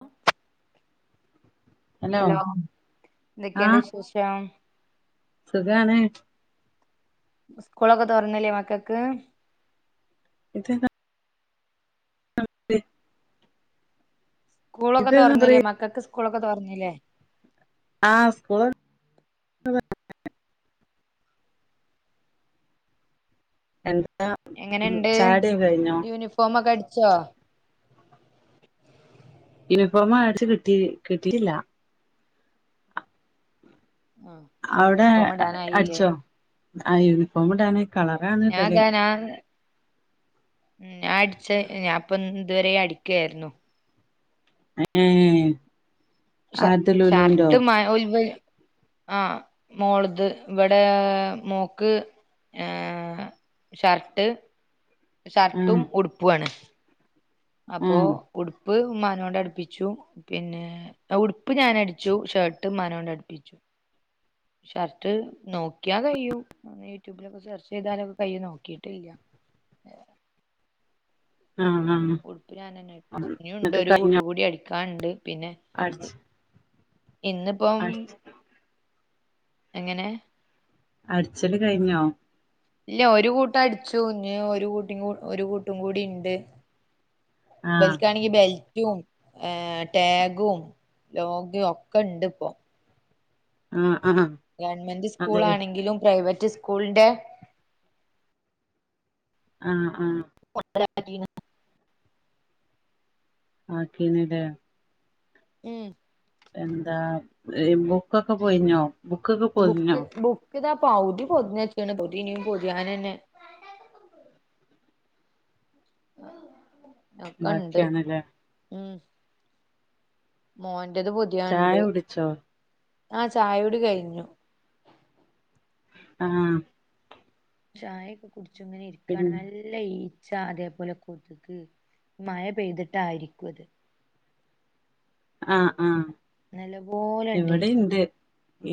ആ ഹലോ എന്തൊക്കെയണ്ട് വിശേഷം സുഖണ സ് കുളക്കത്തരണില്ല മക്കക്ക് ഇത നമസ്േ സ്കൂളൊക്കെ പറ തുറങ്ങല്ലേ മക്കൾക്ക് പക്കളൊക്കെ തറഞ്ഞില്ലേ ആഹ സ്കൂള അത എ എങ്ങനെ ഇണ്ട് യൂണിഫോമ ഒക്കെ അടിച്ചോ ഇനിപ്പ അമ്മ അഴച്ച കിട്ടി കിട്ടിട്ടില്ല ആഹ് അവിടെ യൂണിഫോം ഇടാനായില്ലേ അടിച്ചോ ആ യൂണിഫോംടാണ് ഞാൻതാനാൻ ഉ ഞാൻ അടിച്ച ഞാപ്പൊ ഇതുവരെ അടിക്കായിരുന്നു ഉം ഷ ഷർട്ട് ആ മോളത് ഇവിടെ മോക്ക് ഏ ഷർട്ട് ആഹ് ഷർട്ടും ഉടുപ്പുവാണ് അപ്പൊ ആഹ് ഉടു ഉടുപ്പ് ഉമ്മാനോണ്ട് അടുപ്പിച്ചു പിന്നെ ഉടുപ്പ് ഞാൻ അടിച്ചു ഷർട്ട് ഉമ്മാനോണ്ട അടുപ്പിച്ചു ഷർട്ട് നോക്കിയാ കഴിയും യൂട്യൂബിലൊക്കെ സെർച്ച് ചെയ്താലൊക്കെ കഴിയും നോക്കിട്ടില്ല ആഹ് ആഹ്. ഉടുപ്പ് ഞാൻ തന്നെ അടിച്ചു ഇനി ഉണ്ട് എന്നിട്ട് ഒരു കഴിഞ്ഞോ കൂട്ടുംകൂടി അട കണ്ട്. പിന്നെ. അടിച്ച് ഇന്നിപ്പം. അടിച്ച് എങ്ങനെ. അടച്ചല് കഴിഞ്ഞോ ഇല്ല. ഒരു കൂട്ടം അടിച്ചു ഇനിഒരു കൂട്ടും കൂടി ഉണ്ട്. ആഹ് ബൽക്ക ണി ബെൽ ഹും ടാഗും ലോഗും ഒക്കെ ഉണ്ട് ഇപ്പോ ആഹ്. ആഹ് ഗവൺമെന്റ് സ്കൂൾ അതെ ആണെങ്കിലും പ്രൈവറ്റ്. കൂൾ ണ്ടെ ആആ ന [unintelligible] ആക്കീന് ലെ. ഉം. എന്താ ബുക്കൊക്കെ പോയിഞ്ഞോ ബുക്കൊക്കെ പോതിഞ്ഞോ ബുക്ക് ബുക്ക് ഇതാ പൗതിപൊതിഞ്ഞക്ക് ണ് പൊതി ഇനിയും പൊതി യാനെ നെ ആ ബാക്കിയാണല്ലോ. മ് മോൻ. ചായ കുടിച്ചോ- ആ ചായകുടി കഴിഞ്ഞു. ആഹ്. ചായയൊക്കെകു ഇരിക്കണ് പിന്നെ നല്ല ഈ ച്ച അതേപോലെ കൊതുക് മഴ പെയ്തിട്ടായിരിക്കും അത് ആഹ് ആഹ്. നല്ലപോലെ ഇണ്ട് ഇവിടുണ്ട് ഈച്ചകള്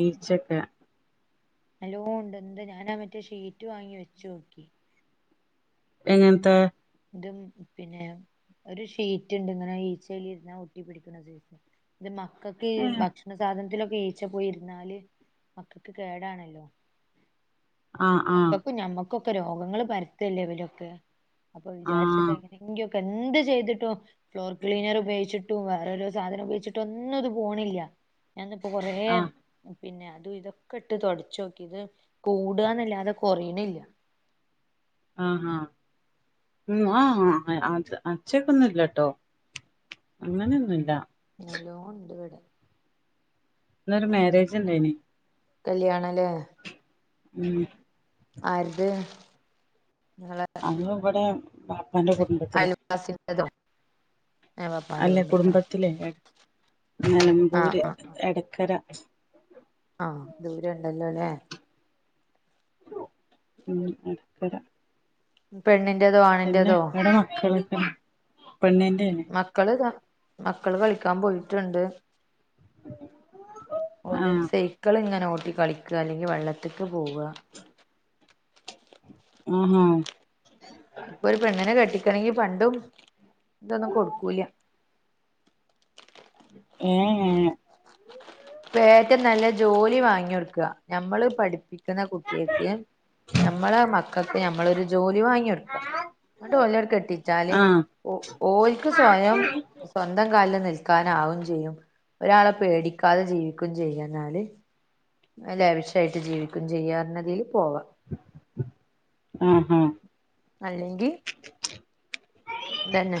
ഈച്ചൊക്കെ. നല്ലോ ഉണ്ട് എന്ത് ഞാനാ മറ്റേ ഷീറ്റ് വാങ്ങി വെച്ചു നോക്കി. എങ്ങനത്തെ ഇത് പിന്നെ ഒരു ഷീറ്റ് ഉണ്ട് ഇങ്ങനെ ഈച്ചയില ഇരുന്നാ ഒട്ടി പിടിക്കണത്. െ ആഹ് ഭക്ഷണ സാധനത്തിലൊക്കെ വീച്ച പോയിരുന്നാല് മക്കൾക്ക് കേടാണല്ലോ. ആ ആ ക്കൊക്കെ രോഗങ്ങളൾ പരത്തല്ലേ ഇവലൊക്കെ അപ്പൊ വിചാരിച്ചിട്ട ആഹ് എങ്ങനെങ്ങി പ്പ എന്ത് ചെയ്തിട്ടും ഫ്ലോർ ക്ലീനർ ഉപയോഗിച്ചിട്ടും വേറെോരോ സാധനം ഉപയോഗിച്ചിട്ടൊന്നുംത് പോണില്ല ഇന്ന് കെറേ പിന്നെ അതും ഇതൊക്കെ ഇട്ട് തൊടച്ചാേക്കി ഇത് കൂടന്നല്ലാ തെ കൊറിണില്ല ആഹാ ഉം ആ അത് അച്ചേക്കാെന്നുംല്ലട്ടോ അങ്ങനൊന്നുല്ല ഓണ്ട്വ്ടെ ന്നൊരു മാരേജ് ണ്ടായ്നി കല്യാണലേ ഉം ആര്ത് നിങ്ങളെ അത് ഇവടെ വാപ്പാന്റെ കുടുംബത്തില് അതോ അല്ലെ കുടുംബത്തിലെ എ ആഹ് നെലമ്പൂര് ആഹ് ആഹ് എടക്കെര ആഹ് ദൂരം ഉണ്ടല്ലോ ല്ലേ ഉം എടക്കര പെണ്ണി പിന്നെ എവിടെ മക്കള് ഉ മക്കള്താ മക്കള് കളിക്കാം പോയിട്ട്ണ്ട് ആ ഓല് സൈക്ക്ളിങ്ങനെ ഓ ട്ടി കളിക്ക അല്ലെങ്കി. വെള്ളത്ത്ക്ക് പോവ ആഹാ ഇപ്പൊ ഒരു പെണ്ണ്നെ കെട്ടി ണെങ്കി പണ്ടും ഇതൊന്നും കൊടുക്കൂല ഏ എ ഇപ്പ ഏറ്റം നല്ലെ ജോലി വാങ്ങ്യാെട്ക്ക ഞമ്മള് പഠിപ്പി ന്ന കുട്ട്യേക്ക് ഞമ്മള മക്കൾക്ക് ഞമ്മളൊരു ജോലി വാങ്ങ്യാെട്ക്ക ന്നട്ട് ഓലെട് കെട്ടിച്ചാല് ആ ഓല്ക്ക് സ്വയം സ്വന്തം കാല്ൽ നിൽ ക്കാനവും ചെയ്യും ഒരാളെ പേടിക്ക കത ജീവിക്കും ചെയ്യാന്നാല് ന്നാലാവിശായിട്ട് ജീവിക്കും ചെയ്യാർ ഞ്ഞതില് ആ ആ തന്നെ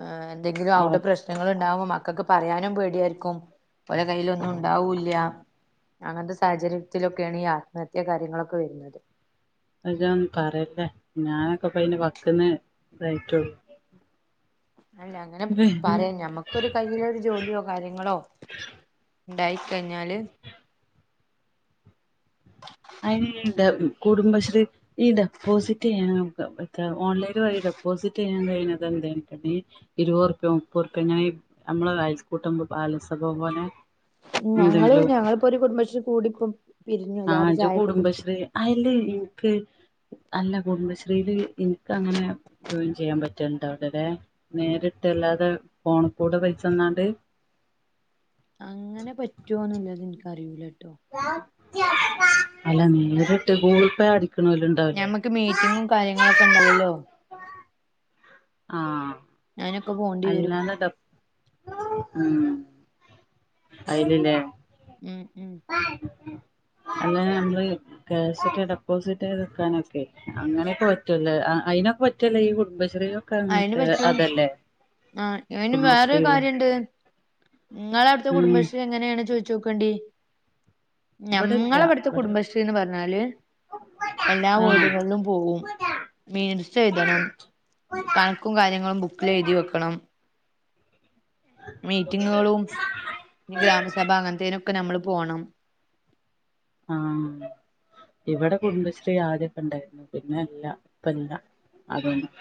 ഏ എന്തെങ്കിലും അവിടെ അവസ്ഥ പ്രശ്നങ്ങൾണ്ടാവുമ്പോ മ ക്കക്ക് പറയാനും പേടിയായ്ര്ക്കും ഓലെ കയ്യിലൊന്നും ഉണ്ടാവൂല്ല അങ്ങൻത്തെ സാഹചര്യത്തിലൊക്കെയാണ് ഈ ആത്മഹത്യാ കാര്യങ്ങളൊക്കെ വര്ന്നത് അ ഇജഒന്നും പറല്ലേ ഞാനൊക്കെ പ്പയ്ന്റെ വക്ക്ന്ന് ഇതയിറ്റോള്ളൂ അല്ല അങ്ങനെ പറയാൻ ഞമ്മുക്കൊരു കയ്യിലൊരു ജോലിയോ കാര്യങ്ങളോ ഉണ്ടായി കഴിഞ്ഞാല് കൂടുംബശ്രീ ഈ ഡെപ്പോസിറ്റ് ചെയ്യാൻ ഓൺലൈന വഴ ഡെപ്പോസിറ്റ് ചെയ്യാൻ കഴിയഞ്ഞത് എന്ത ഇരുപത്ുപ്യ മുപ്പത്ുപോ ഇങ്ങനെ നമ്മള് കൂട്ടുമ്പോ ബാലസഭവം പോലെ ഞങ്ങള്ൾ എന്തെങ്കിലും ഞങ്ങളിപ്പോൊ ഒരു കുടുംബശ്രീ കൂടി ഇപ്പം പിരിഞ്ഞുല്ല ആഹ് ച ഇജ് കുടുംബശ്രീ അ എല്ല അല്ല കുടുംബശ്രീൽ എനക്ക് അങ്ങനെ ജോയി ചെയ്യാൻ പറ്റണ്ട അവിടെടെ നേരിട്ട് അല്ലാതെ ഫോണ കൂടെ പൈസ തന്നാണ്ട് അങ്ങനെ പറ്റുവന്നല്ല അത് എനക്ക്റിൂല്ല അല്ല നിട്ട് ഗൂഗിൾ പേ അട ഞമ്മക്ക് മീറ്റിങ്ങും കാര്യങ്ങളുംൊക്കെ കണ്ടാവല്ലോ ആഹ വരും അല്ലാന്നത ഉ അയിനല്ലെ ഉം ഉം അങ്ങനെ നമ്മള് ക്ഷെ ഡെപ്പോസിറ്റ് വെക്കാനൊക്കെ അങ്ങനെയൊക്കെ പറ്റൂല അതിനൊക്കെ പറ്റല്ല ഈ കുടുംബശ്രീ അയിന് പറ്റൂ ആ ഇന് വേറെൊരു കുടുംബശ്രീയിലെ കാര്യുണ്ട് നിങ്ങള അവിടുത്തെ ഉം കുടുംബശ്രീ എങ്ങനെയാണ് ചോദിച്ച ചോക്കണ്ടി ഇവിടില്ല ഞങ്ങളവിടുത്തെ ഇവിടെ കുടുംബശ്രീന്ന് പറഞ്ഞാല് എല്ലാ ആഹ് വീടുകളിലും പോകവും മീൻ എഴുതണം കണക്കും കാര്യങ്ങളും ബുക്കിൽ എഴുതി വെക്കണം മീറ്റിങ്ങുകളും നി ഗ്രമ സഭാ അങ്ങ ത ഒക്കെ നമ്മള് പോണം ആഹ ഇവിടെ കുടുംബശ്രീ ആദ്യൊക്കെ ഇണ്ടായിരുന്നു പിന്നെ അല്ല ഇപ്പല്ല അതൊന്നും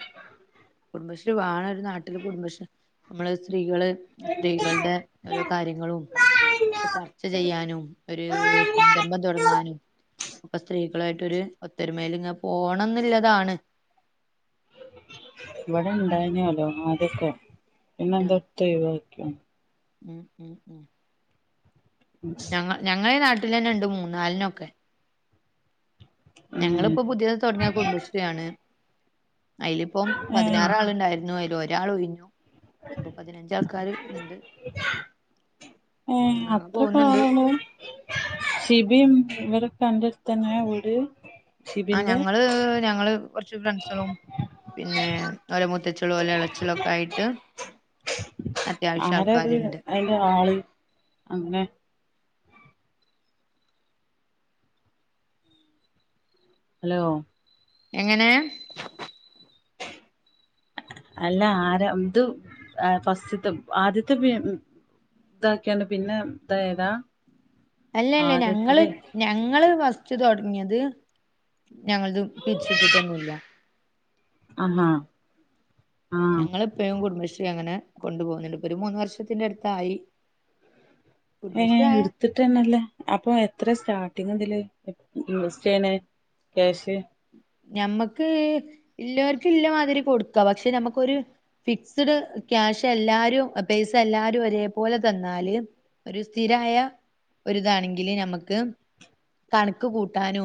കുടുംബശ്രീ വേണ ഒരു നാട്ടില് കുടുംബശ്രീ നമ്മള് സ്ത്രീകള് സ്ത്രീകളുടെ ഓരോ കാര്യങ്ങളും ചർച്ച ചെയ്യാനും ഒരു സംരംഭം തുടങ്ങാനും അപ്പൊ സ്ത്രീ ായിട്ടൊ ഒരു ഒത്തരുമേൽി പോണംെന്നില്ലതാണ് ഇവിഴ ഉണ്ടായിനല്ലോ ആതൊക്കെ എന്നന്ത ആഹ് എന്താ തവ ക് ഉം ഉം ഉം ഞങ്ങ ഞങ്ങള നാട്ടിൽ തന്നെ ഉണ്ട് മൂന്ന നാലിനൊക്കെ ഉം ഞങ്ങളിപ്പോൊ പുതിയ തുടങ്ങിയ കുടുംബശ്രീയാണ് അതില ഇപ്പം പതിനാറാളുണ്ടായിരുന്നു അതില ഒരാൾോഞ്ഞോ ഏ ഞങ്ങളങ്ങ് അത്ര പോകുന്നുണ്ട് പളാണ് സി ബി എം ഇവരെ കണ്ടിടുത്തന അവട് ആ ഞങ്ങള് ഞങ്ങള് കുറച്ച് ഫ്രണ്ട്സും പിന്നെ ഓല മുത്തച്ചളും ഓല ഇളച്ചള ഒക്കെ ആയിട്ട് അത്യാവശ്യം ആരത് ആൾക്കാരുണ്ട് അയിന്റെ ആള് അങ്ങനെ ഹലോ എങ്ങനെ അല്ല ആരാ ഇത് ഫസ്റ്റ്ത്ത് ആദ്യത്തെ പി ഇതാക്കിയാണ് പിന്നെ ഇത ഏതാ അല്ല അല്ലേ ഞങ്ങള് ഞങ്ങള് പ തുടങ്ങിയത് ഞങ്ങളത് പിരിച്ച ഇട്ടിട്ടൊന്നുമില്ല ആഹ ഞങ്ങ ഇപ്പും കുടുംബശ്രീ അങ്ങനെ കൊണ്ടു പോോകുന്നുണ്ട് ഇപ്പൊ ഒരു മൂന്ന് വർഷത്തിന്റെ അടുത്തായി എന കുടുംബശ്രീ ആയ എടുത്തിട്ടണല്ലേ അപ്പൊ എത്ര സ്റ്റാർ എറ്റതില് ഇൻവെസ്റ്റ് ചെയ്യണേ ക്യാഷ് നഞമ്മുക്ക് എല്ലാവർക്കും ഇല്ലമാതിരി കൊടുക്ക പക്ഷെ നമുക്കരു ഫിക്സ്ഡ് ക്യാഷ് എല്ലാരും പൈസ എല്ലാരും ഒരേപലെ തന്നാല് ഒരു സ്ഥിരായ ഒരിതാണെങ്കില് നമ്മുക്ക് കണക്ക് കൂട്ടാനോ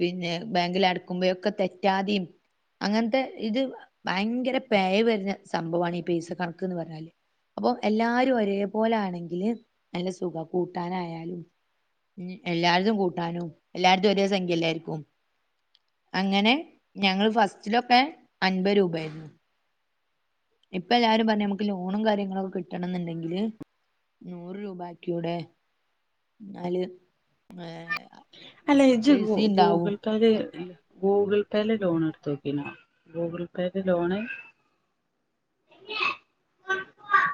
പിന്നെ ബാങ്കിൽ അടുക്കുമ്പോഴ ഒക്കെ തെറ്റാതെയും അങ്ങനത്തെ ഇത് ഭയങ്കര പേ വരുന്ന സംഭവമാണ് ഈ പൈസ കണക്ക എന്ന് പറഞ്ഞാല് അപ്പൾ എല്ലാവരും ഒരേ പോോലൊണെങ്കില് നല്ല സുഖം കൂട്ടാനായാലും എല്ലായിടത്തും കൂട്ടാനും എല്ലായിടത്തും ഒരേ സംഖ്യല്ലായിരിക്കും അങ്ങനെ ഞങ്ങള് ഫസ്റ്റിലൊക്കെ അൻപത് രൂപായിരുന്നു ഇപ്പൊ എല്ലാരും പറഞ്ഞ നമുക്ക് ലോണും കാര്യങ്ങളൊക്കെ കിട്ടണം എന്നുണ്ടെങ്കില് നൂറ് രൂപക്കൂടെ എന്നാല് ഏ അല്ലേ ജ ഗൂഗിൾക്കർല്ല ഗൂഗിൾ പേയില് ലോൺ എടുത്ത വോക്കന ഗൂഗിൾ പേെ ലോണ്